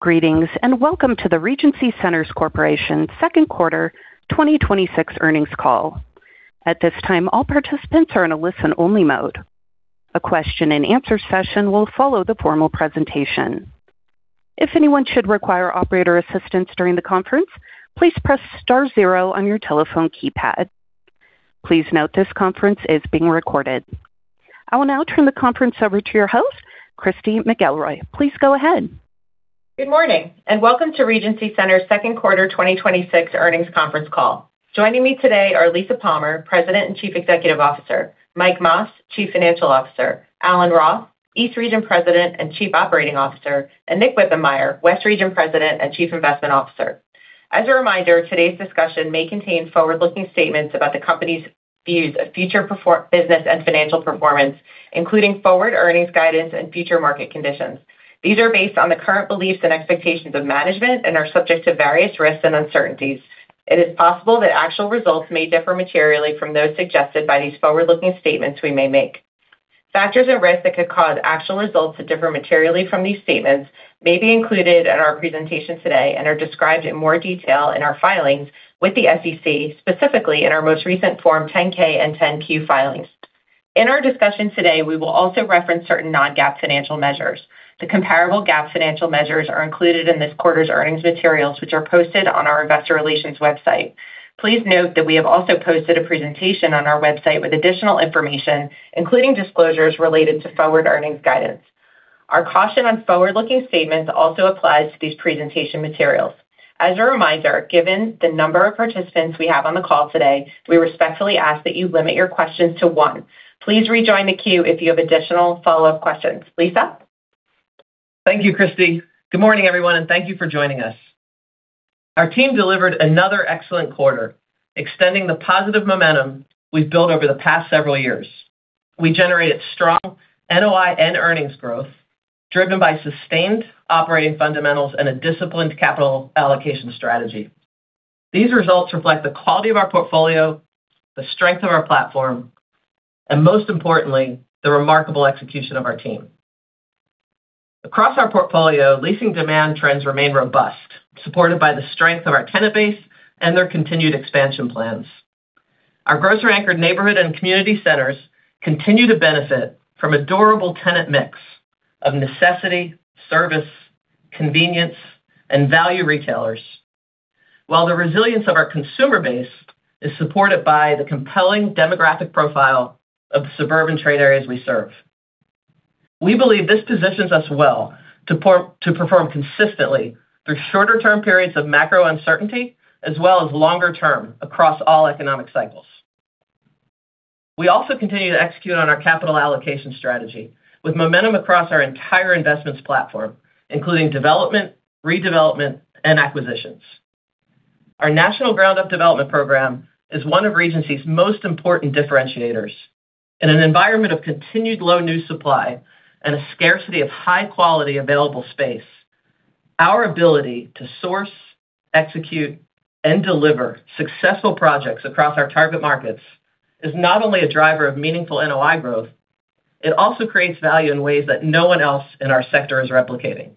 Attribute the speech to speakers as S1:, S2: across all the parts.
S1: Greetings, and welcome to the Regency Centers Corporation second quarter 2026 earnings call. At this time, all participants are in a listen-only mode. A question-and-answer session will follow the formal presentation. If anyone should require operator assistance during the conference, please press star zero on your telephone keypad. Please note this conference is being recorded. I will now turn the conference over to your host, Christy McElroy. Please go ahead.
S2: Good morning, and welcome to Regency Centers' second quarter 2026 earnings conference call. Joining me today are Lisa Palmer, President and Chief Executive Officer; Mike Mas, Chief Financial Officer; Alan Roth, East Region President and Chief Operating Officer; and Nick Wibbenmeyer, West Region President and Chief Investment Officer. As a reminder, today's discussion may contain forward-looking statements about the company's views of future business and financial performance, including forward earnings guidance and future market conditions. These are based on the current beliefs and expectations of management and are subject to various risks and uncertainties. It is possible that actual results may differ materially from those suggested by these forward-looking statements we may make. Factors and risks that could cause actual results to differ materially from these statements may be included in our presentation today and are described in more detail in our filings with the SEC, specifically in our most recent Form 10-K and 10-Q filings. In our discussion today, we will also reference certain non-GAAP financial measures. The comparable GAAP financial measures are included in this quarter's earnings materials, which are posted on our Investor Relations website. Please note that we have also posted a presentation on our website with additional information, including disclosures related to forward earnings guidance. Our caution on forward-looking statements also applies to these presentation materials. As a reminder, given the number of participants we have on the call today, we respectfully ask that you limit your questions to one. Please rejoin the queue if you have additional follow-up questions. Lisa?
S3: Thank you, Christy. Good morning, everyone, and thank you for joining us. Our team delivered another excellent quarter, extending the positive momentum we've built over the past several years. We generated strong NOI and earnings growth driven by sustained operating fundamentals and a disciplined capital allocation strategy. These results reflect the quality of our portfolio, the strength of our platform, and most importantly, the remarkable execution of our team. Across our portfolio, leasing demand trends remain robust, supported by the strength of our tenant base and their continued expansion plans. Our grocery-anchored neighborhood and community centers continue to benefit from a durable tenant mix of necessity, service, convenience, and value retailers. While the resilience of our consumer base is supported by the compelling demographic profile of the suburban trade areas we serve. We believe this positions us well to perform consistently through shorter-term periods of macro uncertainty, as well as longer-term across all economic cycles. We also continue to execute on our capital allocation strategy with momentum across our entire investments platform, including development, redevelopment, and acquisitions. Our national ground-up development program is one of Regency's most important differentiators. In an environment of continued low new supply and a scarcity of high-quality available space, our ability to source, execute, and deliver successful projects across our target markets is not only a driver of meaningful NOI growth, it also creates value in ways that no one else in our sector is replicating.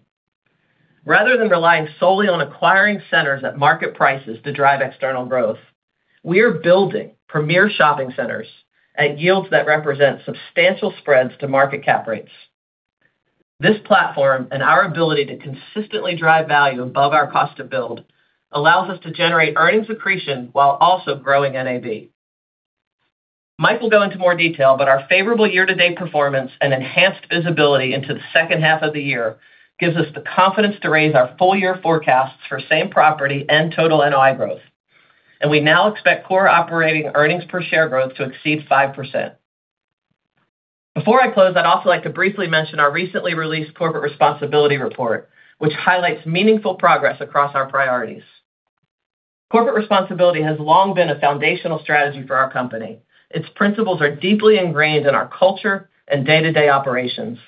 S3: Rather than relying solely on acquiring centers at market prices to drive external growth, we are building premier shopping centers at yields that represent substantial spreads to market cap rates. This platform and our ability to consistently drive value above our cost to build allows us to generate earnings accretion while also growing NAV. Mike will go into more detail, but our favorable year-to-date performance and enhanced visibility into the second half of the year gives us the confidence to raise our full-year forecasts for same-property and total NOI growth. We now expect core operating earnings per share growth to exceed 5%. Before I close, I'd also like to briefly mention our recently released corporate responsibility report, which highlights meaningful progress across our priorities. Corporate responsibility has long been a foundational strategy for our company. Its principles are deeply ingrained in our culture and day-to-day operations,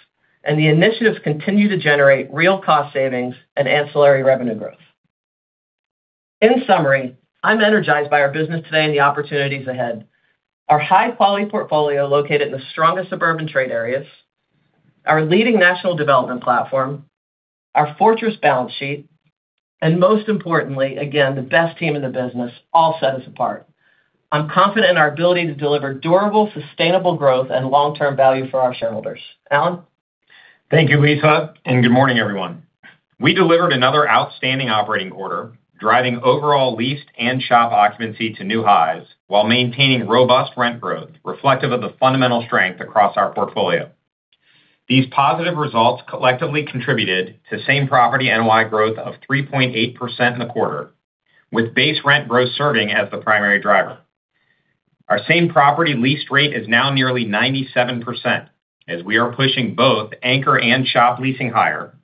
S3: the initiatives continue to generate real cost savings and ancillary revenue growth. In summary, I'm energized by our business today and the opportunities ahead. Our high-quality portfolio located in the strongest suburban trade areas, our leading national development platform, our fortress balance sheet, most importantly, again, the best team in the business, all set us apart. I'm confident in our ability to deliver durable, sustainable growth and long-term value for our shareholders. Alan?
S4: Thank you, Lisa, and good morning, everyone. We delivered another outstanding operating quarter, driving overall leased and shop occupancy to new highs while maintaining robust rent growth reflective of the fundamental strength across our portfolio. These positive results collectively contributed to same-property NOI growth of 3.8% in the quarter, with base rent growth serving as the primary driver. Our same-property leased rate is now nearly 97%, as we are pushing both anchor and shop leasing higher,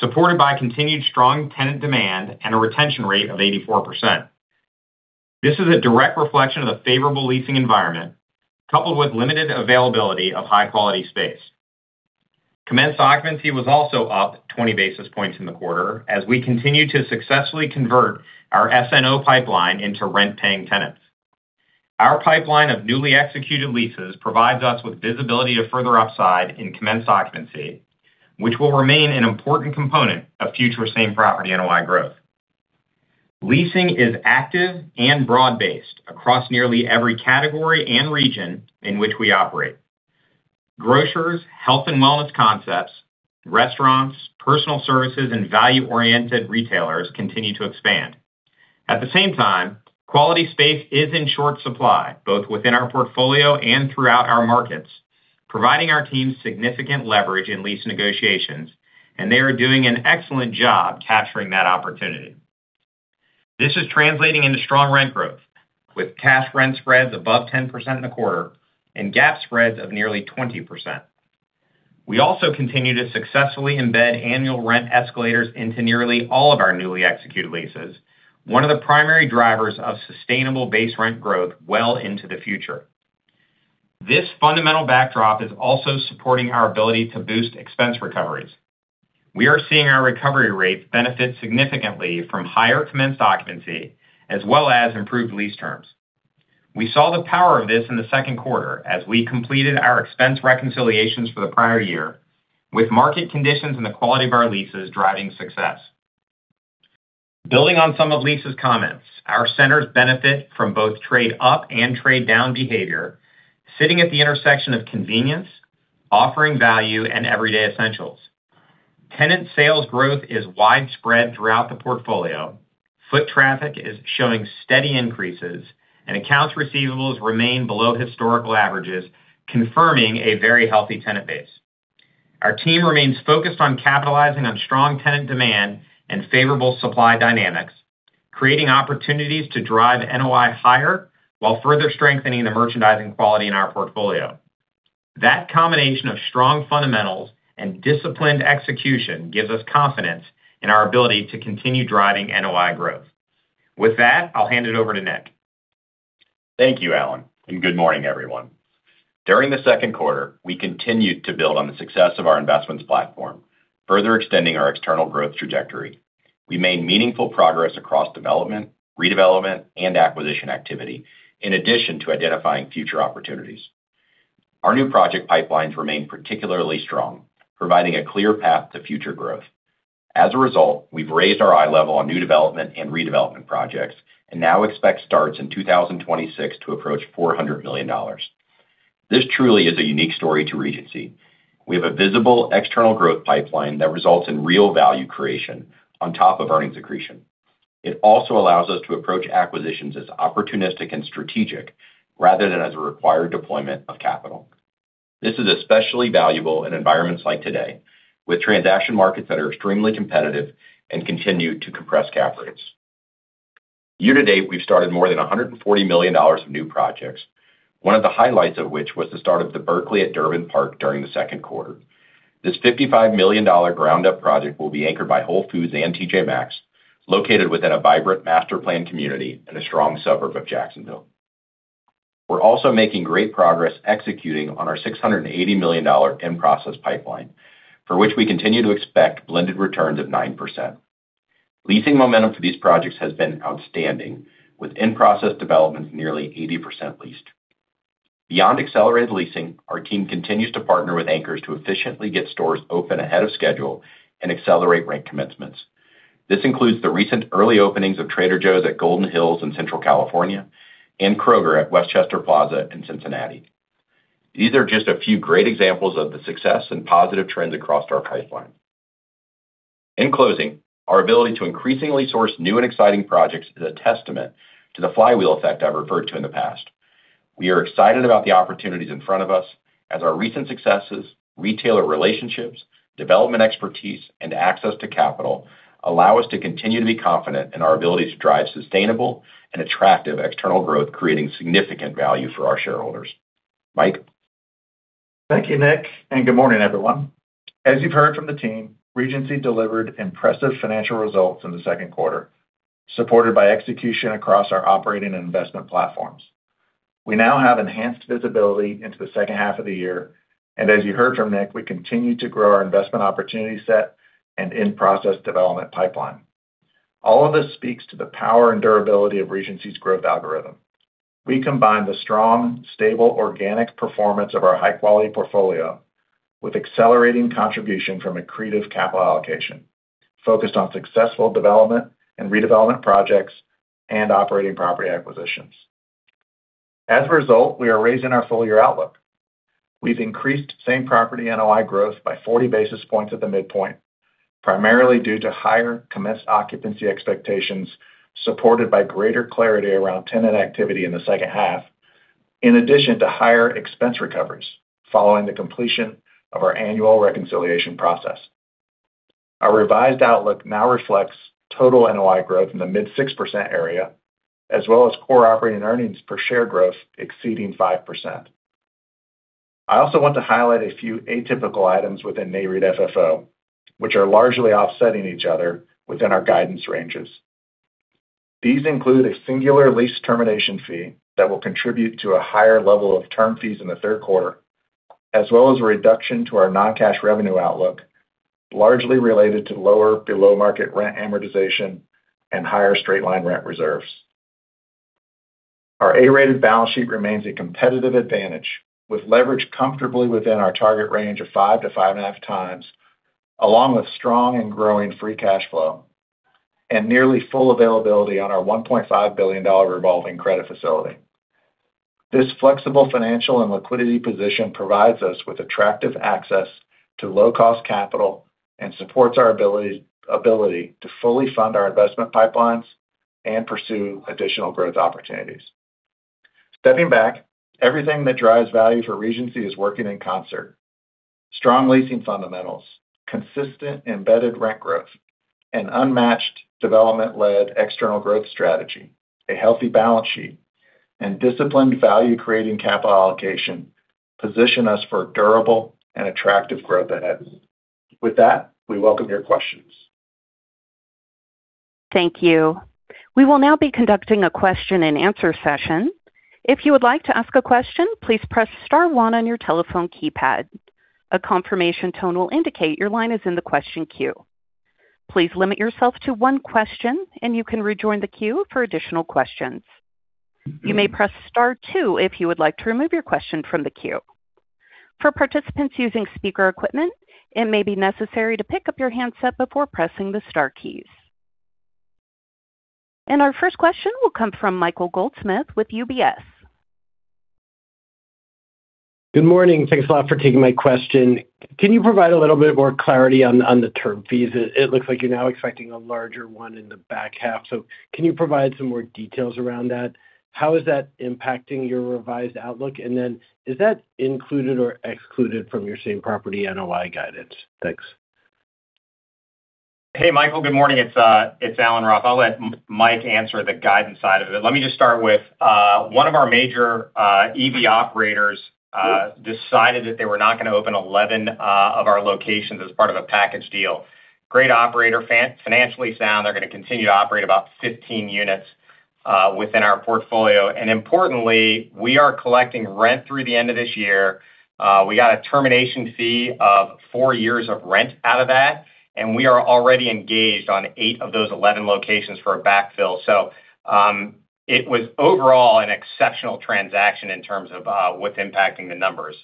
S4: supported by continued strong tenant demand and a retention rate of 84%. This is a direct reflection of the favorable leasing environment, coupled with limited availability of high-quality space. Commenced occupancy was also up 20 basis points in the quarter as we continue to successfully convert our SNO pipeline into rent-paying tenants. Our pipeline of newly executed leases provides us with visibility of further upside in commenced occupancy, which will remain an important component of future same-property NOI growth. Leasing is active and broad-based across nearly every category and region in which we operate. Grocers, health and wellness concepts, restaurants, personal services, and value-oriented retailers continue to expand. At the same time, quality space is in short supply, both within our portfolio and throughout our markets, providing our teams significant leverage in lease negotiations, and they are doing an excellent job capturing that opportunity. This is translating into strong rent growth, with cash rent spreads above 10% in the quarter and GAAP spreads of nearly 20%. We also continue to successfully embed annual rent escalators into nearly all of our newly executed leases, one of the primary drivers of sustainable base rent growth well into the future. This fundamental backdrop is also supporting our ability to boost expense recoveries. We are seeing our recovery rates benefit significantly from higher commenced occupancy, as well as improved lease terms. We saw the power of this in the second quarter as we completed our expense reconciliations for the prior year with market conditions and the quality of our leases driving success. Building on some of Lisa's comments, our centers benefit from both trade-up and trade-down behavior, sitting at the intersection of convenience, offering value and everyday essentials. Tenant sales growth is widespread throughout the portfolio, foot traffic is showing steady increases, and accounts receivables remain below historical averages, confirming a very healthy tenant base. Our team remains focused on capitalizing on strong tenant demand and favorable supply dynamics, creating opportunities to drive NOI higher while further strengthening the merchandising quality in our portfolio. That combination of strong fundamentals and disciplined execution gives us confidence in our ability to continue driving NOI growth. With that, I'll hand it over to Nick.
S5: Thank you, Alan, and good morning, everyone. During the second quarter, we continued to build on the success of our investments platform, further extending our external growth trajectory. We made meaningful progress across development, redevelopment, and acquisition activity in addition to identifying future opportunities. Our new project pipelines remain particularly strong, providing a clear path to future growth. As a result, we've raised our eye level on new development and redevelopment projects and now expect starts in 2026 to approach $400 million. This truly is a unique story to Regency. We have a visible external growth pipeline that results in real value creation on top of earnings accretion. It also allows us to approach acquisitions as opportunistic and strategic rather than as a required deployment of capital. This is especially valuable in environments like today, with transaction markets that are extremely competitive and continue to compress cap rates. Year-to-date, we've started more than $140 million of new projects. One of the highlights of which was the start of The Berkeley at Durbin Park during the second quarter. This $55 million ground-up project will be anchored by Whole Foods and TJ Maxx, located within a vibrant master planned community in a strong suburb of Jacksonville. We're also making great progress executing on our $680 million in-process pipeline, for which we continue to expect blended returns of 9%. Leasing momentum for these projects has been outstanding, with in-process developments nearly 80% leased. Beyond accelerated leasing, our team continues to partner with anchors to efficiently get stores open ahead of schedule and accelerate rent commencements. This includes the recent early openings of Trader Joe's at Golden Hills in Central California and Kroger at Westchester Plaza in Cincinnati. These are just a few great examples of the success and positive trends across our pipeline. In closing, our ability to increasingly source new and exciting projects is a testament to the flywheel effect I've referred to in the past. We are excited about the opportunities in front of us as our recent successes, retailer relationships, development expertise, and access to capital allow us to continue to be confident in our ability to drive sustainable and attractive external growth, creating significant value for our shareholders. Mike?
S6: Thank you, Nick, and good morning, everyone. As you've heard from the team, Regency delivered impressive financial results in the second quarter, supported by execution across our operating and investment platforms. As you heard from Nick, we now have enhanced visibility into the second half of the year, we continue to grow our investment opportunity set and in-process development pipeline. All of this speaks to the power and durability of Regency's growth algorithm. We combine the strong, stable organic performance of our high-quality portfolio with accelerating contribution from accretive capital allocation focused on successful development and redevelopment projects and operating property acquisitions. As a result, we are raising our full-year outlook. We've increased same-property NOI growth by 40 basis points at the midpoint, primarily due to higher commenced occupancy expectations, supported by greater clarity around tenant activity in the second half, in addition to higher expense recoveries following the completion of our annual reconciliation process. Our revised outlook now reflects total NOI growth in the mid-6% area, as well as core operating earnings per share growth exceeding 5%. I also want to highlight a few atypical items within NAREIT FFO, which are largely offsetting each other within our guidance ranges. These include a singular lease termination fee that will contribute to a higher level of term fees in the third quarter. A reduction to our non-cash revenue outlook, largely related to lower below-market rent amortization and higher straight-line rent reserves. Our A-rated balance sheet remains a competitive advantage, with leverage comfortably within our target range of 5x to 5.5x, along with strong and growing free cash flow, Nearly full availability on our $1.5 billion revolving credit facility. This flexible financial and liquidity position provides us with attractive access to low-cost capital and supports our ability to fully fund our investment pipelines and pursue additional growth opportunities. Stepping back, everything that drives value for Regency is working in concert. Strong leasing fundamentals, consistent embedded rent growth, Unmatched development-led external growth strategy, a healthy balance sheet, and Disciplined value-creating capital allocation position us for durable and attractive growth ahead. With that, we welcome your questions.
S1: Thank you. We will now be conducting a question-and-answer session. If you would like to ask a question, please press star one on your telephone keypad. A confirmation tone will indicate your line is in the question queue. Please limit yourself to one question, You can rejoin the queue for additional questions. You may press star two if you would like to remove your question from the queue. For participants using speaker equipment, it may be necessary to pick up your handset before pressing the star keys. Our first question will come from Michael Goldsmith with UBS.
S7: Good morning. Thanks a lot for taking my question. Can you provide a little bit more clarity on the term fees? It looks like you're now expecting a larger one in the back half. Can you provide some more details around that? How is that impacting your revised outlook? Is that included or excluded from your same property NOI guidance? Thanks.
S4: Hey, Michael. Good morning. It's Alan Roth. I'll let Mike answer the guidance side of it. Let me just start with one of our major EV operators decided that they were not going to open 11 of our locations as part of a package deal. Great operator, financially sound. They're going to continue to operate about 15 units within our portfolio. Importantly, we are collecting rent through the end of this year. We got a termination fee of 4 years of rent out of that, and we are already engaged on 8 of those 11 locations for a backfill. It was overall an exceptional transaction in terms of what's impacting the numbers.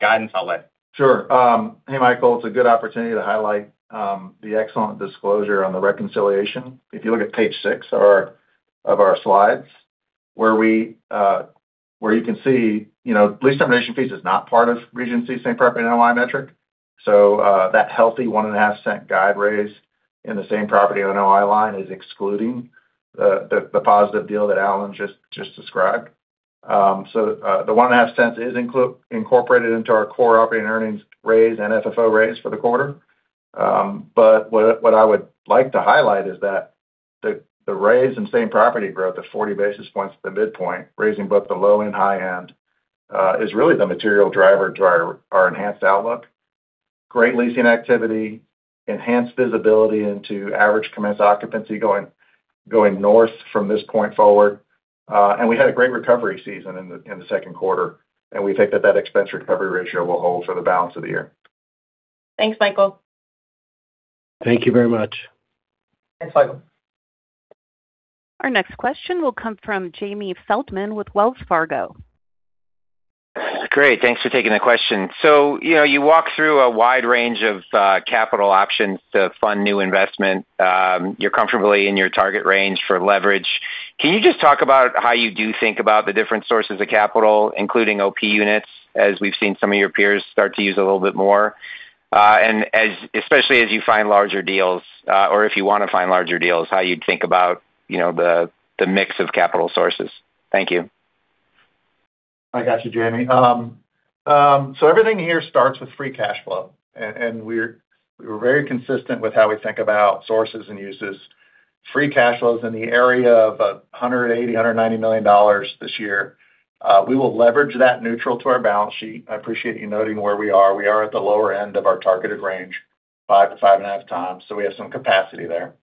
S4: Guidance, I'll let
S6: Sure. Hey, Michael. It's a good opportunity to highlight the excellent disclosure on the reconciliation. If you look at page six of our slides, where you can see lease termination fees is not part of Regency same-property NOI metric. That healthy $0.015 guide raise in the same property NOI line is excluding the positive deal that Alan just described. The $0.015 is incorporated into our core operating earnings raise and FFO raise for the quarter. What I would like to highlight is that the raise in same-property growth of 40 basis points at the midpoint, raising both the low and high end, is really the material driver to our enhanced outlook. Great leasing activity, enhanced visibility into average commenced occupancy going north from this point forward. We had a great recovery season in the second quarter, and we think that expense recovery ratio will hold for the balance of the year.
S2: Thanks, Michael.
S7: Thank you very much.
S4: Thanks, Michael.
S1: Our next question will come from Jamie Feldman with Wells Fargo.
S8: Great. Thanks for taking the question. You walk through a wide range of capital options to fund new investment. You're comfortably in your target range for leverage. Can you just talk about how you do think about the different sources of capital, including OP units, as we've seen some of your peers start to use a little bit more? Especially as you find larger deals or if you want to find larger deals, how you'd think about the mix of capital sources. Thank you.
S6: I got you, Jamie. Everything here starts with free cash flow. We're very consistent with how we think about sources and uses. Free cash flow's in the area of $180, $190 million this year. We will leverage that neutral to our balance sheet. I appreciate you noting where we are. We are at the lower end of our targeted range, 5x to 5.5x. We have some capacity there.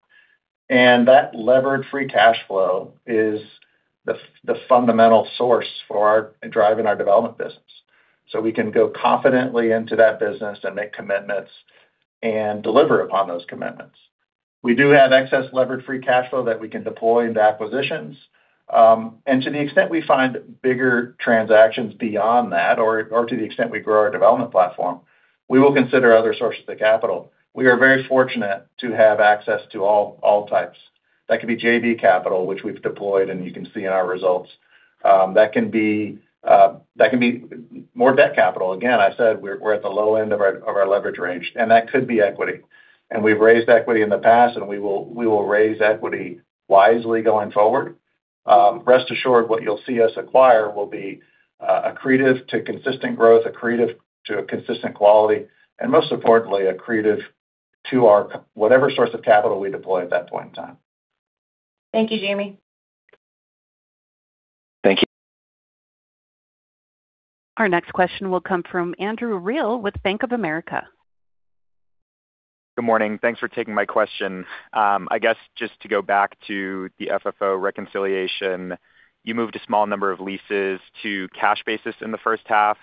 S6: That levered free cash flow is the fundamental source for driving our development business. We can go confidently into that business and make commitments and deliver upon those commitments. We do have excess levered free cash flow that we can deploy into acquisitions. To the extent we find bigger transactions beyond that, or to the extent we grow our development platform, we will consider other sources of capital. We are very fortunate to have access to all types. That could be JV capital, which we've deployed, and you can see in our results. That can be more debt capital. Again, I said we're at the low end of our leverage range. That could be equity. We've raised equity in the past, and we will raise equity wisely going forward. Rest assured, what you'll see us acquire will be accretive to consistent growth, accretive to a consistent quality, and most importantly, accretive to whatever source of capital we deploy at that point in time.
S2: Thank you, Jamie.
S8: Thank you.
S1: Our next question will come from Andrew Reale with Bank of America.
S9: Good morning. Thanks for taking my question. I guess just to go back to the FFO reconciliation, you moved a small number of leases to cash basis in the first half.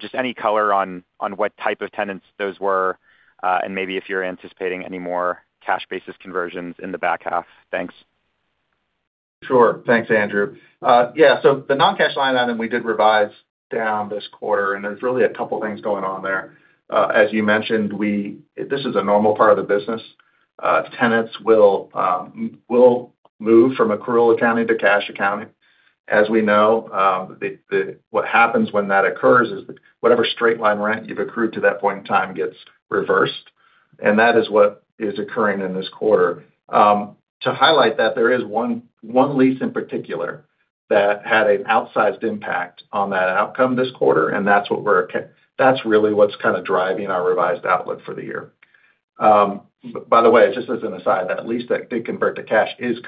S9: Just any color on what type of tenants those were, and maybe if you're anticipating any more cash basis conversions in the back half. Thanks.
S6: Sure. Thanks, Andrew Reale. Yeah. The non-cash line item, we did revise down this quarter, there's really a couple things going on there. As you mentioned, this is a normal part of the business. Tenants will move from accrual accounting to cash accounting. We know, what happens when that occurs is whatever straight-line rent you've accrued to that point in time gets reversed, that is what is occurring in this quarter. To highlight that, there is one lease in particular that had an outsized impact on that outcome this quarter, that's really what's kind of driving our revised outlook for the year. By the way, just as an aside, that lease that did convert to cash is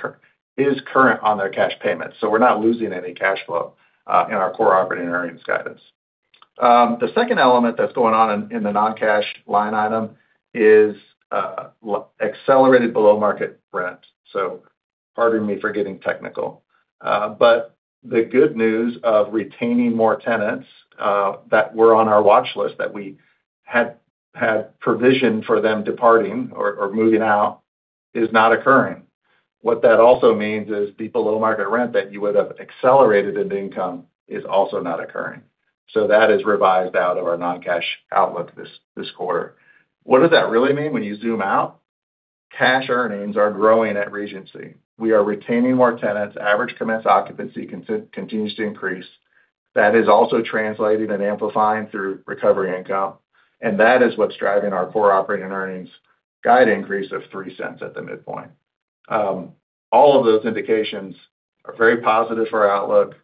S6: current on their cash payments. We're not losing any cash flow in our core operating earnings guidance. The second element that's going on in the non-cash line item is accelerated below-market rent. Pardon me for getting technical. The good news of retaining more tenants that were on our watch list that we had provisioned for them departing or moving out is not occurring. What that also means is the below-market rent that you would've accelerated into income is also not occurring. That is revised out of our non-cash outlook this quarter. What does that really mean when you zoom out? Cash earnings are growing at Regency. We are retaining more tenants. Average commenced occupancy continues to increase. That is also translating and amplifying through recovery income, that is what's driving our core operating earnings guide increase of $0.03 at the midpoint. All of those indications are very positive for our outlook.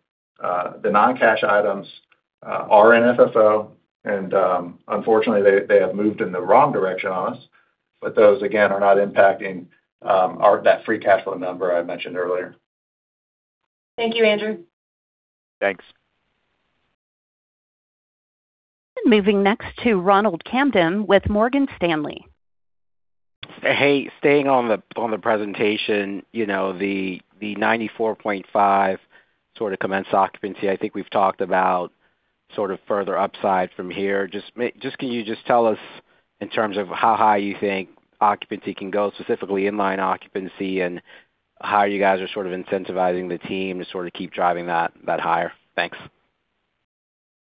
S6: The non-cash items are in FFO, unfortunately, they have moved in the wrong direction on us. Those, again, are not impacting that free cash flow number I mentioned earlier.
S2: Thank you, Andrew.
S9: Thanks.
S1: Moving next to Ronald Kamdem with Morgan Stanley.
S10: Hey, staying on the presentation, the 94.5 sort of commenced occupancy, I think we've talked about sort of further upside from here. Can you just tell us in terms of how high you think occupancy can go, specifically inline occupancy, and how you guys are sort of incentivizing the team to sort of keep driving that higher? Thanks.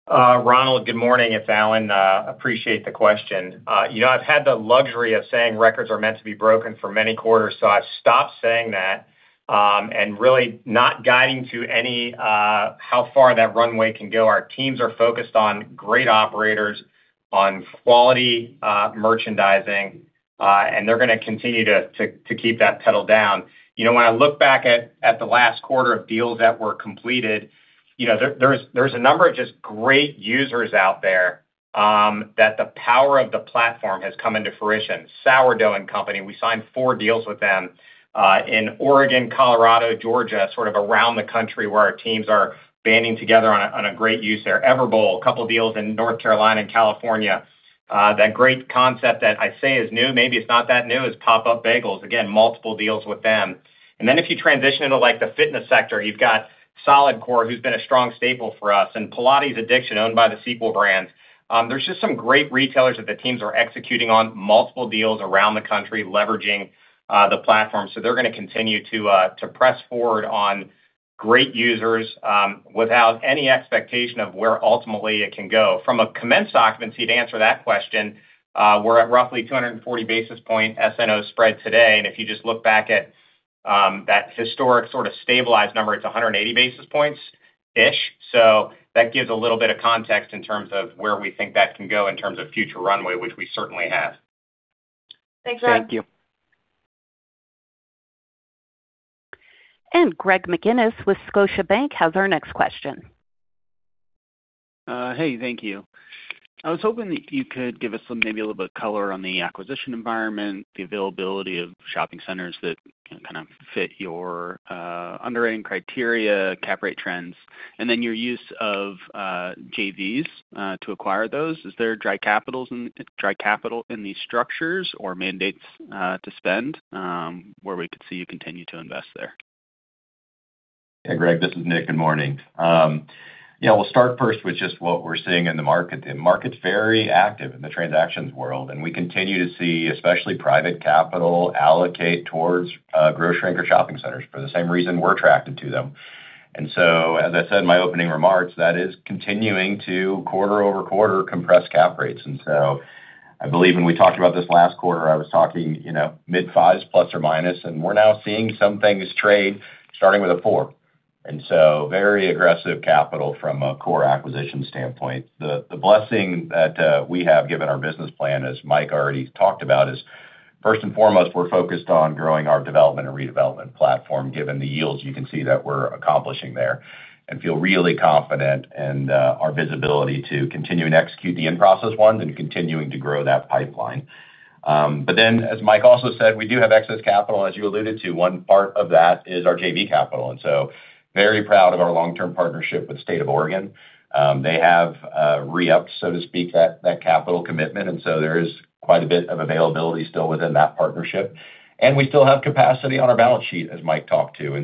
S4: Ronald, good morning. It's Alan. Appreciate the question. I've had the luxury of saying records are meant to be broken for many quarters, so I've stopped saying that and really not guiding to how far that runway can go. Our teams are focused on great operators, on quality merchandising, and they're going to continue to keep that pedal down. When I look back at the last quarter of deals that were completed, there's a number of just great users out there that the power of the platform has come into fruition. Sourdough & Co., we signed four deals with them, in Oregon, Colorado, Georgia, sort of around the country, where our teams are banding together on a great use there. everbowl, a couple deals in North Carolina and California. That great concept that I say is new, maybe it's not that new, is PopUp Bagels. Multiple deals with them. If you transition into the fitness sector, you've got [solidcore], who's been a strong staple for us, and Pilates Addiction, owned by the Sequel Brands. There's just some great retailers that the teams are executing on multiple deals around the country, leveraging the platform. They're going to continue to press forward on great users without any expectation of where ultimately it can go. From a commenced occupancy, to answer that question, we're at roughly 240 basis points SNO spread today, and if you just look back at that historic sort of stabilized number, it's 180 basis points-ish. That gives a little bit of context in terms of where we think that can go in terms of future runway, which we certainly have.
S10: Thank you.
S1: Greg McGinniss with Scotiabank has our next question.
S11: Hey, thank you. I was hoping that you could give us maybe a little bit of color on the acquisition environment, the availability of shopping centers that kind of fit your underwriting criteria, cap rate trends, and your use of JVs to acquire those. Is there dry capital in these structures or mandates to spend where we could see you continue to invest there?
S5: Hey, Greg, this is Nick. Good morning. Yeah, we'll start first with just what we're seeing in the market. The market's very active in the transactions world. We continue to see especially private capital allocate towards grocery-anchor shopping centers for the same reason we're attracted to them. As I said in my opening remarks, that is continuing to quarter-over-quarter compress cap rates. I believe when we talked about this last quarter, I was talking mid-5s±, and we're now seeing some things trade starting with a four. Very aggressive capital from a core acquisition standpoint. The blessing that we have given our business plan, as Mike already talked about, is first and foremost, we're focused on growing our development and redevelopment platform given the yields you can see that we're accomplishing there and feel really confident in our visibility to continue and execute the in-process ones and continuing to grow that pipeline. As Mike also said, we do have excess capital, as you alluded to. One part of that is our JV capital. Very proud of our long-term partnership with State of Oregon. They have re-upped, so to speak, that capital commitment. There is quite a bit of availability still within that partnership. We still have capacity on our balance sheet, as Mike talked to.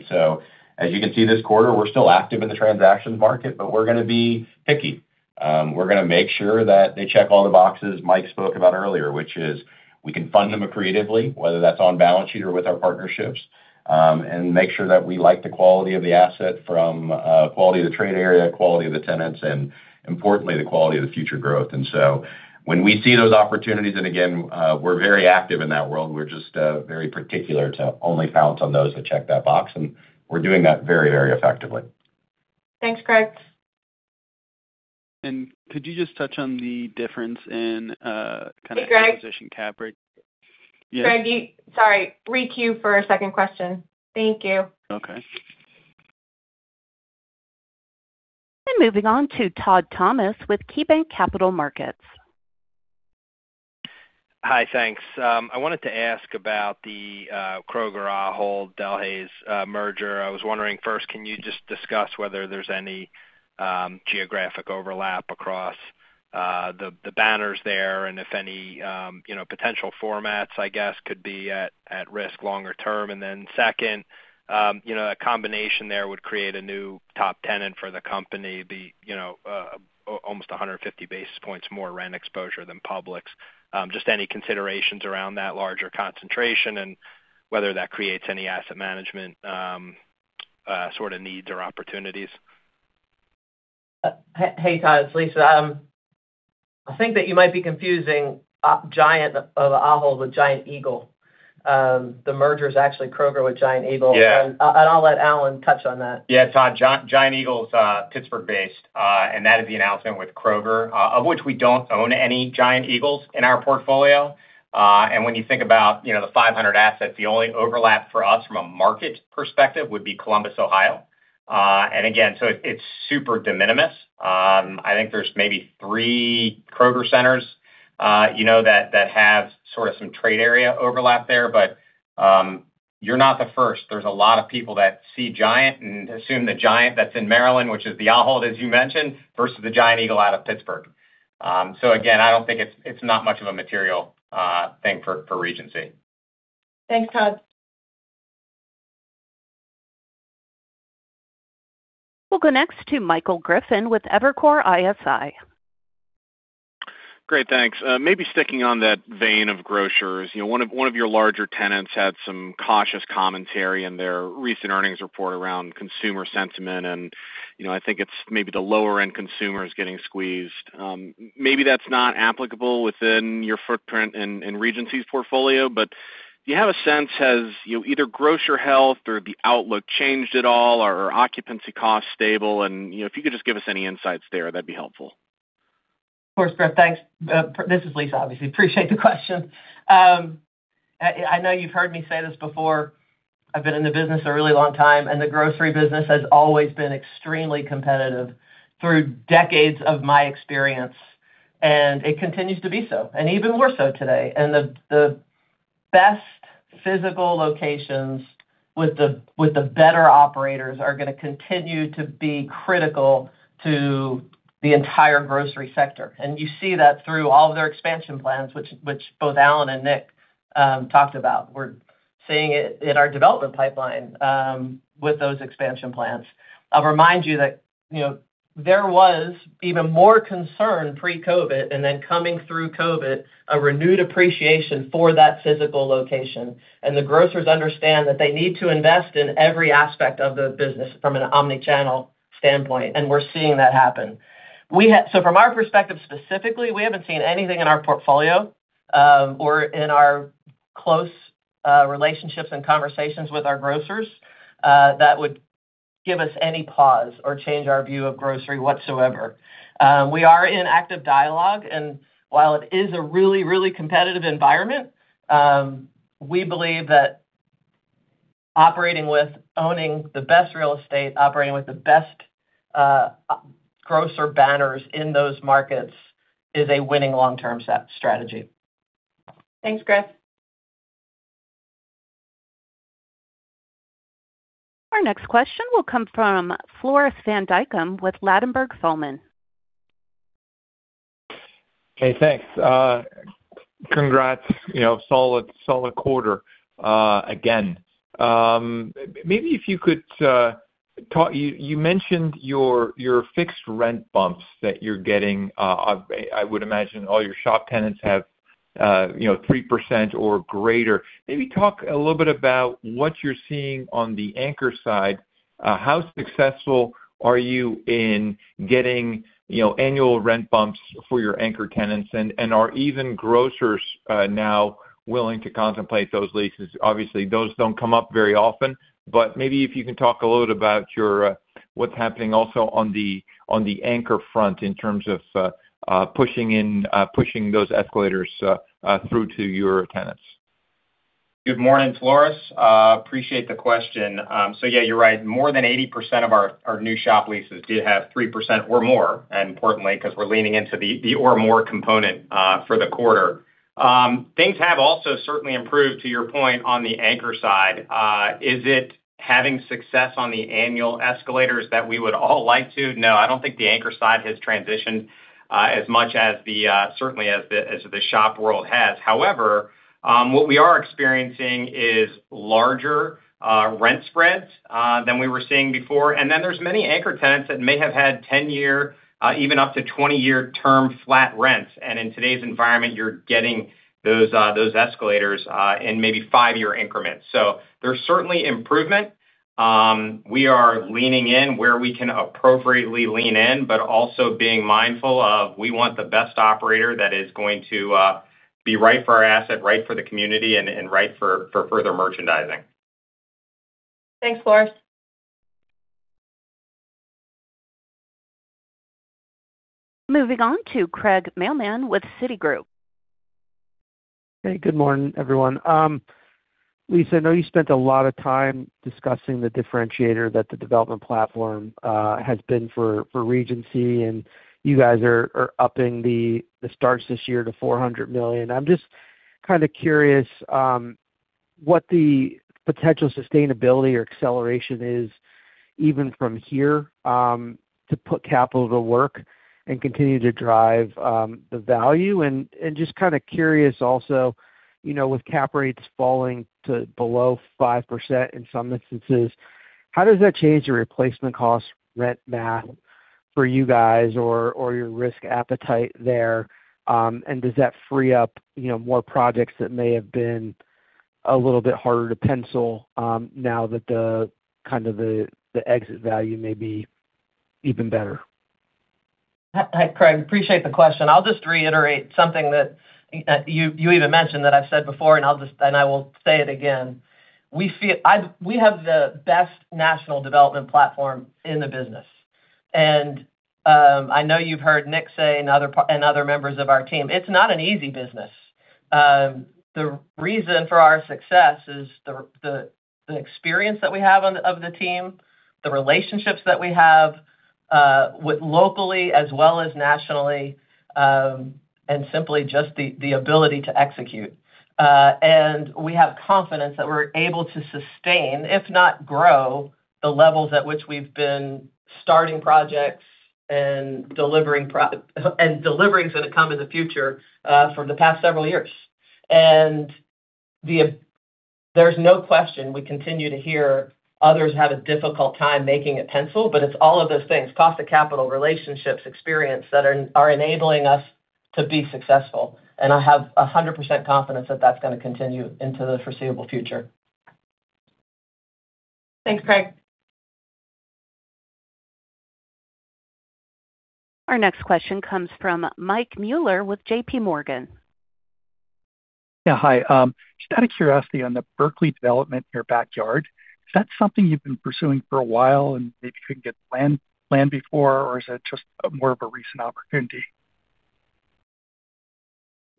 S5: As you can see this quarter, we're still active in the transactions market, but we're going to be picky. We're going to make sure that they check all the boxes Mike spoke about earlier, which is we can fund them creatively, whether that's on balance sheet or with our partnerships. Make sure that we like the quality of the asset from quality of the trade area, quality of the tenants, and importantly, the quality of the future growth. When we see those opportunities, and again, we're very active in that world, we're just very particular to only pounce on those that check that box, and we're doing that very effectively.
S2: Thanks, Greg.
S11: Could you just touch on the difference in kind of
S2: Hey, Greg.
S11: acquisition cap rate? Yeah.
S2: Greg, Sorry, queue for a second question. Thank you.
S11: Okay.
S1: Moving on to Todd Thomas with KeyBanc Capital Markets.
S12: Hi. Thanks. I wanted to ask about the Kroger-Ahold Delhaize merger. I was wondering first, can you just discuss whether there's any geographic overlap across the banners there and if any potential formats, I guess, could be at risk longer term? Then second, that combination there would create a new top tenant for the company, be almost 150 basis points more rent exposure than Publix. Just any considerations around that larger concentration and whether that creates any asset management sort of needs or opportunities.
S3: Hey, Todd. It's Lisa. I think that you might be confusing Giant of Ahold with Giant Eagle. The merger is actually Kroger with Giant Eagle.
S12: Yeah.
S3: I'll let Alan Roth touch on that.
S4: Yeah. Todd Thomas, Giant Eagle is Pittsburgh based. That is the announcement with Kroger, of which we don't own any Giant Eagles in our portfolio. When you think about the 500 assets, the only overlap for us from a market perspective would be Columbus, Ohio. Again, so it's super de minimis. I think there's maybe three Kroger centers that have sort of some trade area overlap there. You're not the first. There's a lot of people that see Giant Food and assume that Giant Food that's in Maryland, which is the Ahold Delhaize, as you mentioned, versus the Giant Eagle out of Pittsburgh. Again, it's not much of a material thing for Regency Centers.
S2: Thanks, Todd.
S1: We'll go next to Michael Griffin with Evercore ISI.
S13: Great. Thanks. Maybe sticking on that vein of grocers. One of your larger tenants had some cautious commentary in their recent earnings report around consumer sentiment, and I think it's maybe the lower end consumer is getting squeezed. Maybe that's not applicable within your footprint in Regency's portfolio, do you have a sense, has either grocer health or the outlook changed at all, are occupancy costs stable? If you could just give us any insights there, that'd be helpful.
S3: Of course, Griff. Thanks. This is Lisa, obviously. Appreciate the question. I know you've heard me say this before. I've been in the business a really long time, the grocery business has always been extremely competitive through decades of my experience, it continues to be so, even more so today. The best physical locations with the better operators are going to continue to be critical to the entire grocery sector. You see that through all of their expansion plans, which both Alan and Nick talked about. We're seeing it in our development pipeline with those expansion plans. I'll remind you that there was even more concern pre-COVID, then coming through COVID, a renewed appreciation for that physical location. The grocers understand that they need to invest in every aspect of the business from an omnichannel standpoint, we're seeing that happen. From our perspective specifically, we haven't seen anything in our portfolio, or in our close relationships and conversations with our grocers, that would give us any pause or change our view of grocery whatsoever. We are in active dialogue, while it is a really competitive environment, we believe that operating with owning the best real estate, operating with the best grocer banners in those markets is a winning long-term strategy.
S2: Thanks, Griff.
S1: Our next question will come from Floris van Dijkum with Ladenburg Thalmann.
S14: Hey, thanks. Congrats. Solid quarter again. You mentioned your fixed rent bumps that you're getting. I would imagine all your shop tenants have 3% or greater. Maybe talk a little bit about what you're seeing on the anchor side. How successful are you in getting annual rent bumps for your anchor tenants? Are even grocers now willing to contemplate those leases? Obviously, those don't come up very often. Maybe if you can talk a little about what's happening also on the anchor front in terms of pushing those escalators through to your tenants.
S5: Good morning, Floris. Appreciate the question. Yeah, you're right. More than 80% of our new shop leases do have 3% or more, importantly, because we're leaning into the or more component for the quarter. Things have also certainly improved, to your point, on the anchor side. Is it having success on the annual escalators that we would all like to? No, I don't think the anchor side has transitioned as much as certainly as the shop world has. However, what we are experiencing is larger rent spreads than we were seeing before. There's many anchor tenants that may have had 10-year, even up to 20-year term flat rents. In today's environment, you're getting those escalators in maybe five-year increments. There's certainly improvement. We are leaning in where we can appropriately lean in, but also being mindful of we want the best operator that is going to be right for our asset, right for the community, and right for further merchandising.
S2: Thanks, Floris.
S1: Moving on to Craig Mailman with Citigroup.
S15: Hey, good morning, everyone. Lisa, I know you spent a lot of time discussing the differentiator that the development platform has been for Regency, and you guys are upping the starts this year to $400 million. I'm just kind of curious what the potential sustainability or acceleration is even from here, to put capital to work and continue to drive the value and just kind of curious also, with cap rates falling to below 5% in some instances, how does that change the replacement cost rent math for you guys or your risk appetite there? Does that free up more projects that may have been a little bit harder to pencil now that the exit value may be even better?
S3: Hi, Craig. Appreciate the question. I'll just reiterate something that you even mentioned that I've said before, and I will say it again. We have the best national development platform in the business. I know you've heard Nick say, and other members of our team, it's not an easy business. The reason for our success is the experience that we have of the team, the relationships that we have locally as well as nationally, and simply just the ability to execute. We have confidence that we're able to sustain, if not grow, the levels at which we've been starting projects and delivering to the come in the future for the past several years. There's no question we continue to hear others have a difficult time making it pencil, but it's all of those things, cost of capital, relationships, experience, that are enabling us to be successful. I have 100% confidence that that's going to continue into the foreseeable future.
S2: Thanks, Craig.
S1: Our next question comes from Mike Mueller with JPMorgan.
S16: Yeah. Hi. Just out of curiosity on the Berkeley development in your backyard, is that something you've been pursuing for a while and maybe couldn't get land before, or is it just more of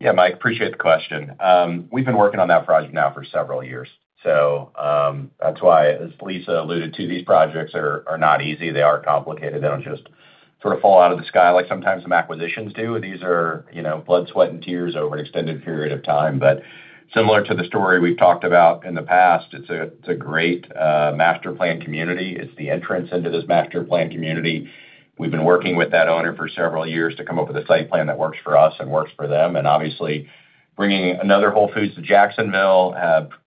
S16: a recent opportunity?
S5: Yeah, Mike, appreciate the question. We've been working on that project now for several years. That's why, as Lisa alluded to, these projects are not easy. They are complicated. They don't just sort of fall out of the sky like sometimes some acquisitions do. These are blood, sweat, and tears over an extended period of time. Similar to the story we've talked about in the past, it's a great master planned community. It's the entrance into this master planned community. We've been working with that owner for several years to come up with a site plan that works for us and works for them, and obviously bringing another Whole Foods to Jacksonville,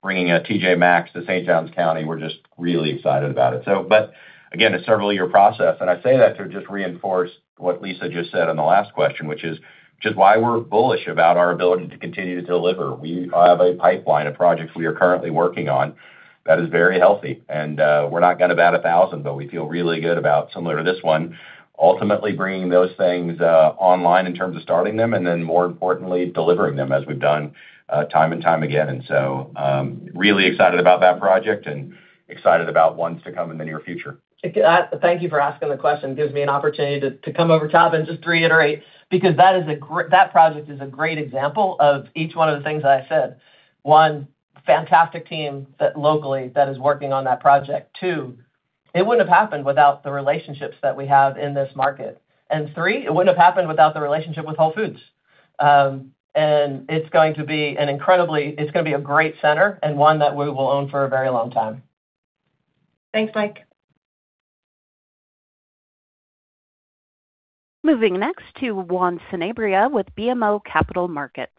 S5: bringing a TJ Maxx to St. John's County, we're just really excited about it. Again, a several-year process, and I say that to just reinforce what Lisa just said on the last question, which is why we're bullish about our ability to continue to deliver. We have a pipeline of projects we are currently working on that is very healthy. We're not going to bat 1,000, but we feel really good about similar to this one, ultimately bringing those things online in terms of starting them and then more importantly, delivering them as we've done time and time again. Really excited about that project and excited about ones to come in the near future.
S3: Thank you for asking the question. Gives me an opportunity to come over top and just reiterate, because that project is a great example of each one of the things that I said. One, fantastic team locally that is working on that project. Two, it wouldn't have happened without the relationships that we have in this market. Three, it wouldn't have happened without the relationship with Whole Foods. It's going to be a great center and one that we will own for a very long time.
S2: Thanks, Mike.
S1: Moving next to Juan Sanabria with BMO Capital Markets.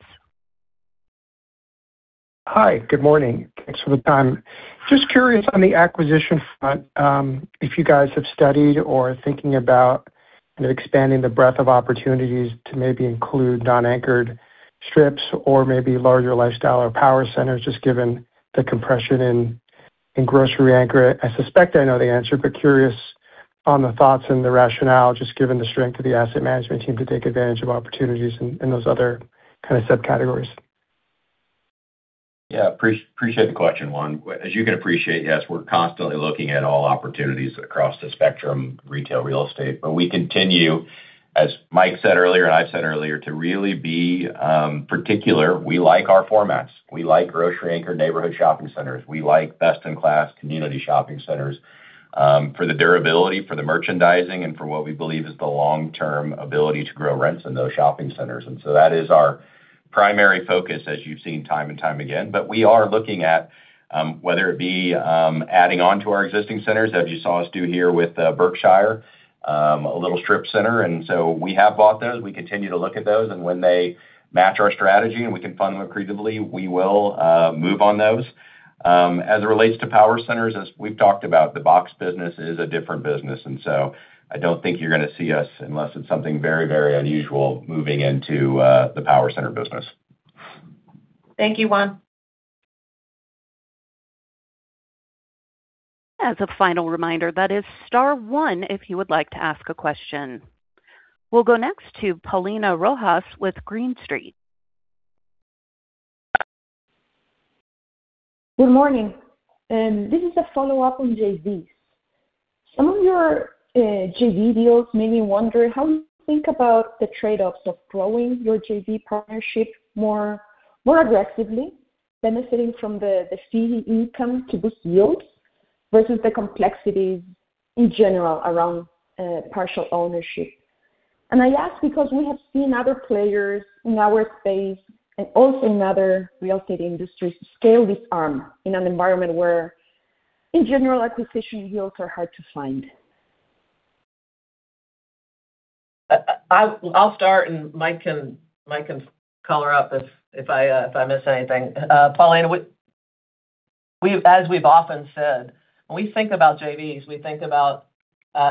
S17: Hi, good morning. Thanks for the time. Just curious on the acquisition front, if you guys have studied or are thinking about expanding the breadth of opportunities to maybe include non-anchored strips or maybe larger lifestyle or power centers, just given the compression in grocery anchor. I suspect I know the answer, but curious on the thoughts and the rationale, just given the strength of the asset management team to take advantage of opportunities in those other kind of subcategories.
S5: Yeah. Appreciate the question, Juan. As you can appreciate, yes, we're constantly looking at all opportunities across the spectrum retail real estate. We continue As Mike said earlier, and I said earlier, to really be particular, we like our formats. We like grocery-anchored neighborhood shopping centers. We like best-in-class community shopping centers for the durability, for the merchandising, and for what we believe is the long-term ability to grow rents in those shopping centers. That is our primary focus, as you've seen time and time again. We are looking at whether it be adding on to our existing centers, as you saw us do here with Berkshire Commons, a little strip center. We have bought those. We continue to look at those. When they match our strategy and we can fund them accretively, we will move on those. As it relates to power centers, as we've talked about, the box business is a different business. I don't think you're going to see us, unless it's something very unusual, moving into the power center business.
S2: Thank you, Juan.
S1: As a final reminder, that is star one if you would like to ask a question. We'll go next to Paulina Rojas with Green Street.
S18: Good morning. This is a follow-up on JVs. Some of your JV deals made me wonder how you think about the trade-offs of growing your JV partnership more aggressively, benefiting from the fee income to boost yields versus the complexities in general around partial ownership. I ask because we have seen other players in our space and also in other real estate industries scale this arm in an environment where, in general, acquisition yields are hard to find.
S3: I'll start, Mike can color up if I miss anything. Paulina, as we've often said, when we think about JVs, we think about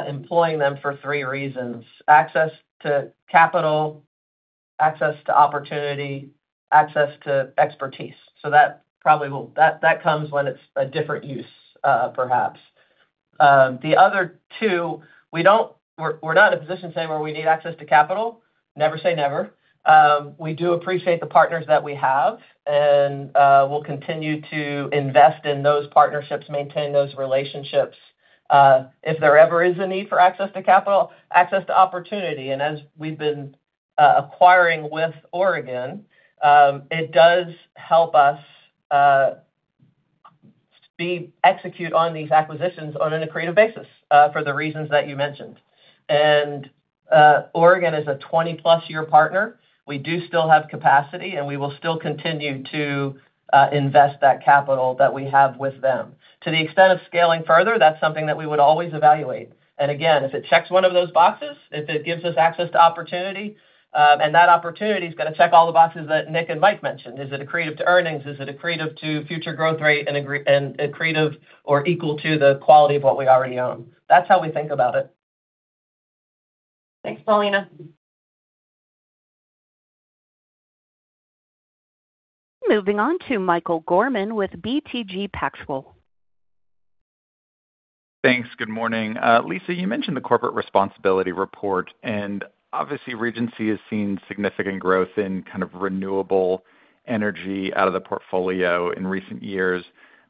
S3: employing them for three reasons: access to capital, access to opportunity, access to expertise. That comes when it's a different use, perhaps. The other two, we're not in a position, say, where we need access to capital. Never say never. We do appreciate the partners that we have, and we'll continue to invest in those partnerships, maintain those relationships. If there ever is a need for access to capital, access to opportunity, and as we've been acquiring with Oregon, it does help us execute on these acquisitions on an accretive basis for the reasons that you mentioned. Oregon is a 20+ year partner. We do still have capacity, and we will still continue to invest that capital that we have with them. To the extent of scaling further, that's something that we would always evaluate. Again, if it checks one of those boxes, if it gives us access to opportunity, and that opportunity's got to check all the boxes that Nick and Mike mentioned. Is it accretive to earnings? Is it accretive to future growth rate, and accretive or equal to the quality of what we already own? That's how we think about it. Thanks, Paulina.
S1: Moving on to Michel Wurman with BTG Pactual.
S19: Thanks. Good morning. Lisa, you mentioned the Corporate Responsibility Report, and obviously, Regency Centers has seen significant growth in kind of renewable energy out of the portfolio in recent years.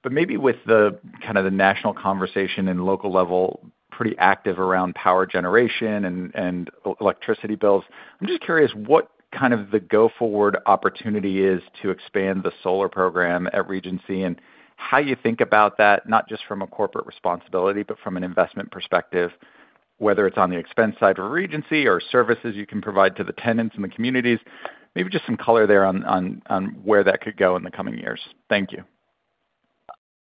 S19: Maybe with the kind of the national conversation and local level pretty active around power generation and electricity bills, I'm just curious what kind of the go-forward opportunity is to expand the Solar Program at Regency Centers and how you think about that, not just from a Corporate Responsibility, but from an investment perspective, whether it's on the expense side of Regency Centers or services you can provide to the tenants in the communities. Maybe just some color there on where that could go in the coming years. Thank you.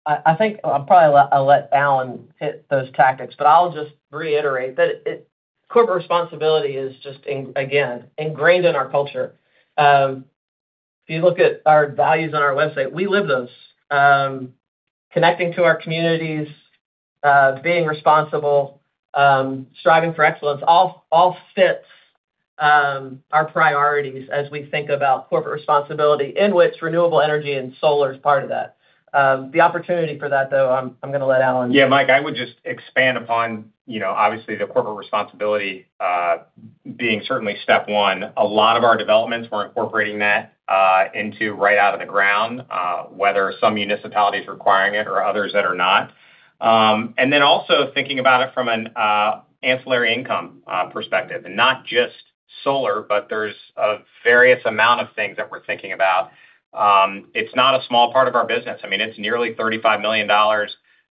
S3: I think I'll probably let Alan hit those tactics. I'll just reiterate that Corporate Responsibility is just, again, ingrained in our culture. If you look at our values on our website, we live those. Connecting to our communities, being responsible, striving for excellence, all fits our priorities as we think about Corporate Responsibility, in which renewable energy and solar is part of that. The opportunity for that, though, I'm going to let Alan.
S4: Yeah, Mike, I would just expand upon, obviously the Corporate Responsibility being certainly step one. A lot of our developments, we're incorporating that into right out of the ground, whether some municipalities requiring it or others that are not. Then also thinking about it from an ancillary income perspective. Not just solar, but there's a various amount of things that we're thinking about. It's not a small part of our business. I mean, it's nearly $35 million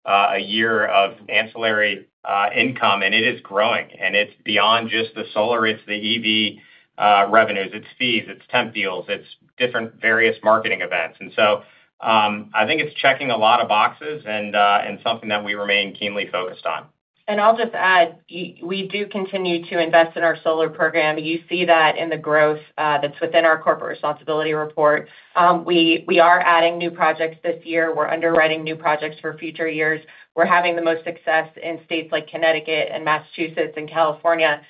S4: a year of ancillary income, and it is growing. It's beyond just the solar, it's the EV revenues, it's fees, it's temp deals, it's different various marketing events. So, I think it's checking a lot of boxes and something that we remain keenly focused on.
S2: I'll just add, we do continue to invest in our Solar Program. You see that in the growth that's within our Corporate Responsibility Report. We are adding new projects this year. We're underwriting new projects for future years. We're having the most success in states like Connecticut, Massachusetts, and California.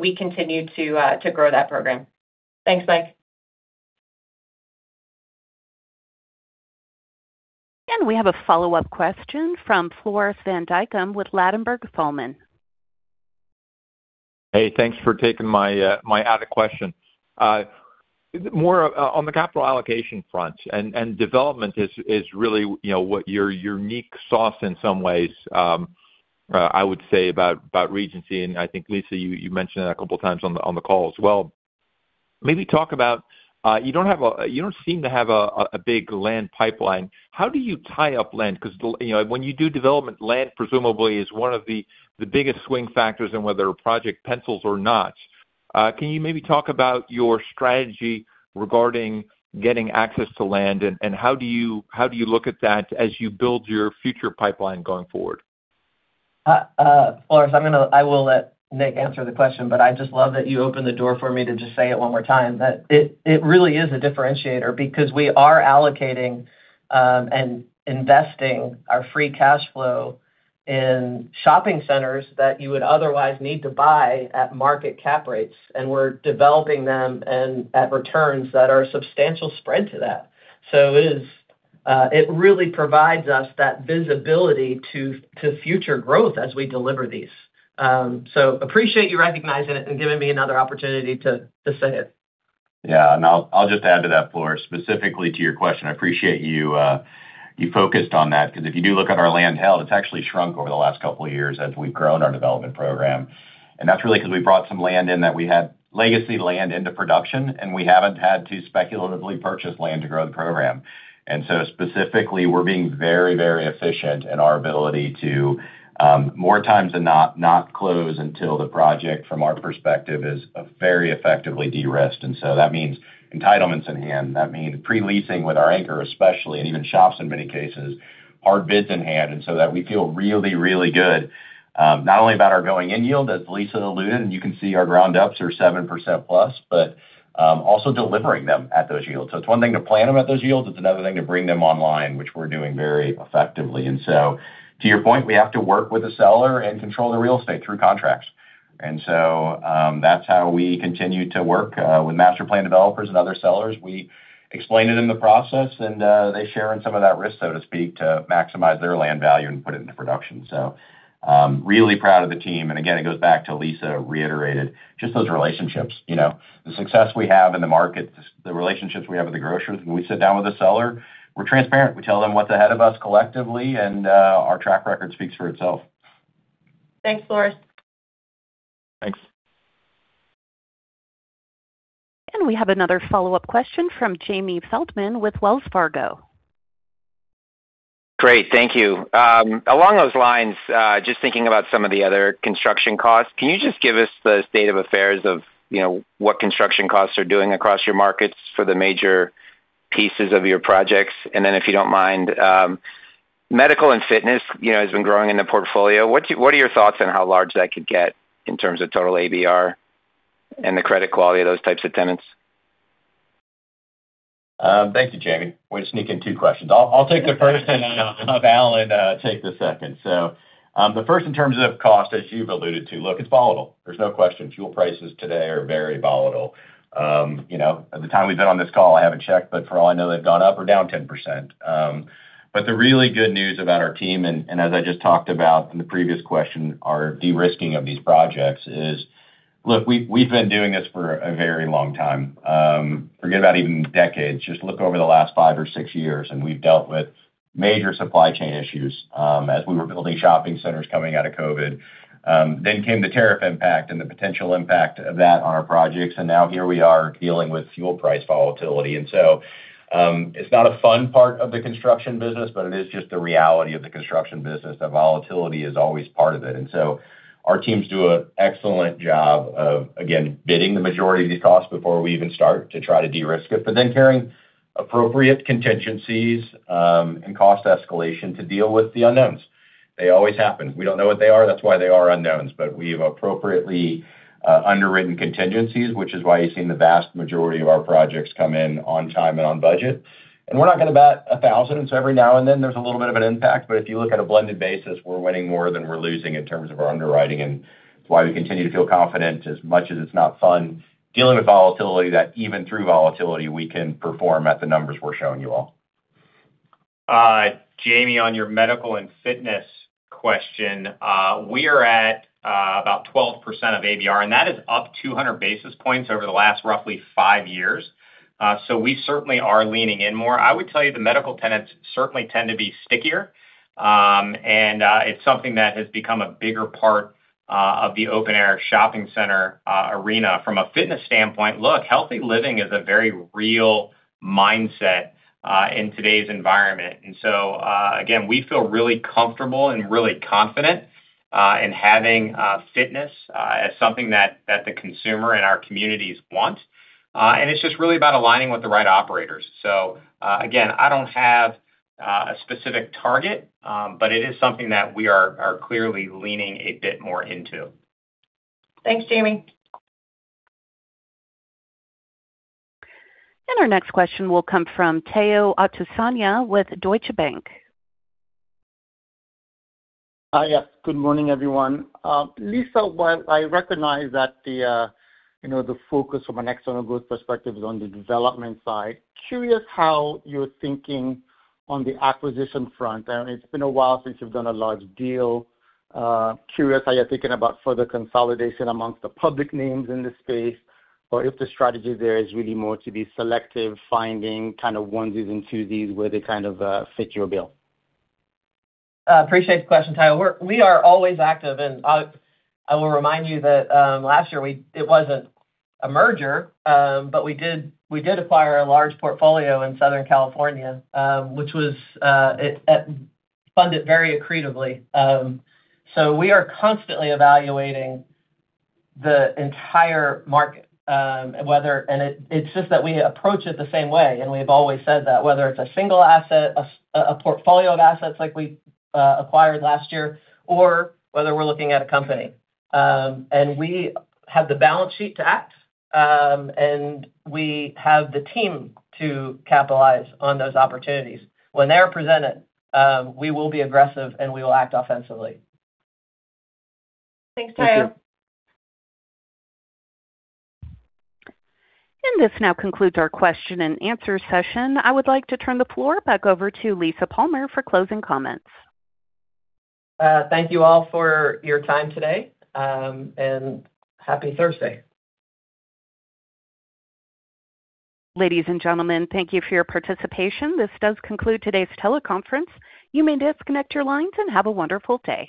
S2: We continue to grow that program. Thanks, Mike.
S1: We have a follow-up question from Floris van Dijkum with Ladenburg Thalmann.
S14: Hey, thanks for taking my added question. More on the capital allocation front, and development is really what your unique sauce in some ways, I would say about Regency, and I think, Lisa, you mentioned it a couple of times on the call as well. You don't seem to have a big land pipeline. How do you tie up land? Because when you do development, land presumably is one of the biggest swing factors in whether a project pencils or not. Can you maybe talk about your strategy regarding getting access to land, and how do you look at that as you build your future pipeline going forward?
S3: Floris, I will let Nick answer the question, but I just love that you opened the door for me to just say it one more time, that it really is a differentiator because we are allocating and investing our free cash flow in shopping centers that you would otherwise need to buy at market cap rates, and we're developing them at returns that are a substantial spread to that. It really provides us that visibility to future growth as we deliver these. Appreciate you recognizing it and giving me another opportunity to say it.
S5: Yeah. I'll just add to that, Floris, specifically to your question. I appreciate you focused on that, because if you do look at our land held, it's actually shrunk over the last couple of years as we've grown our development program. That's really because we brought some land in that we had legacy land into production, and we haven't had to speculatively purchase land to grow the program. Specifically, we're being very efficient in our ability to, more times than not close until the project from our perspective is very effectively de-risked. That means entitlements in hand, that means pre-leasing with our anchor especially, and even shops in many cases, hard bids in hand, that we feel really good not only about our going-in yield, as Lisa Palmer alluded, and you can see our ground ups are 7%+, but also delivering them at those yields. It's one thing to plan them at those yields, it's another thing to bring them online, which we're doing very effectively. To your point, we have to work with the seller and control the real estate through contracts. That's how we continue to work with master plan developers and other sellers. We explain it in the process, and they share in some of that risk, so to speak, to maximize their land value and put it into production. Really proud of the team, again, it goes back to Lisa Palmer reiterated, just those relationships. The success we have in the market, the relationships we have with the grocers. When we sit down with a seller, we're transparent. We tell them what's ahead of us collectively, our track record speaks for itself.
S2: Thanks, Floris van Dijkum.
S14: Thanks.
S1: We have another follow-up question from Jamie Feldman with Wells Fargo.
S8: Great. Thank you. Along those lines, just thinking about some of the other construction costs, can you just give us the state of affairs of what construction costs are doing across your markets for the major pieces of your projects? If you don't mind, medical and fitness has been growing in the portfolio. What are your thoughts on how large that could get in terms of total ABR and the credit quality of those types of tenants?
S5: Thank you, Jamie. Way to sneak in two questions. I'll take the first and have Alan take the second. The first in terms of cost, as you've alluded to, look, it's volatile. There's no question. Fuel prices today are very volatile. At the time we've been on this call, I haven't checked, but for all I know, they've gone up or down 10%. The really good news about our team, as I just talked about in the previous question, our de-risking of these projects is, look, we've been doing this for a very long time. Forget about even decades. Just look over the last five or six years, we've dealt with major supply chain issues as we were building shopping centers coming out of COVID. Came the tariff impact and the potential impact of that on our projects, now here we are dealing with fuel price volatility. It's not a fun part of the construction business, but it is just the reality of the construction business, that volatility is always part of it. Our teams do an excellent job of, again, bidding the majority of these costs before we even start to try to de-risk it, carrying appropriate contingencies and cost escalation to deal with the unknowns. They always happen. We don't know what they are, that's why they are unknowns. We've appropriately underwritten contingencies, which is why you've seen the vast majority of our projects come in on time and on budget. We're not going to bat 1,000, every now and then there's a little bit of an impact, if you look at a blended basis, we're winning more than we're losing in terms of our underwriting. It's why we continue to feel confident, as much as it's not fun dealing with volatility, that even through volatility, we can perform at the numbers we're showing you all.
S4: Jamie, on your medical and fitness question, we are at about 12% of ABR, and that is up 200 basis points over the last roughly five years. We certainly are leaning in more. I would tell you the medical tenants certainly tend to be stickier. It's something that has become a bigger part of the open-air shopping center arena. From a fitness standpoint, look, healthy living is a very real mindset in today's environment. Again, we feel really comfortable and really confident in having fitness as something that the consumer and our communities want. It's just really about aligning with the right operators. Again, I don't have a specific target, but it is something that we are clearly leaning a bit more into.
S2: Thanks, Jamie.
S1: Our next question will come from Tayo Okusanya with Deutsche Bank.
S20: Hi, yes. Good morning, everyone. Lisa, while I recognize that the focus from an external growth perspective is on the development side, curious how you're thinking on the acquisition front. It's been a while since you've done a large deal. Curious how you're thinking about further consolidation amongst the public names in this space, or if the strategy there is really more to be selective, finding onesies and twosies where they kind of fit your bill.
S3: Appreciate the question, Tayo. We are always active. I will remind you that last year it wasn't a merger. We did acquire a large portfolio in Southern California, which was funded very accretively. We are constantly evaluating the entire market. It's just that we approach it the same way, and we've always said that, whether it's a single asset, a portfolio of assets like we acquired last year, or whether we're looking at a company. We have the balance sheet to act, and we have the team to capitalize on those opportunities. When they're presented, we will be aggressive, and we will act offensively.
S2: Thanks, Tayo.
S20: Thank you.
S1: This now concludes our question-and-answer session. I would like to turn the floor back over to Lisa Palmer for closing comments.
S3: Thank you all for your time today, and happy Thursday.
S1: Ladies and gentlemen, thank you for your participation. This does conclude today's teleconference. You may disconnect your lines and have a wonderful day.